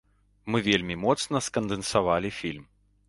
Мы вельмі моцна скандэнсавалі фільм.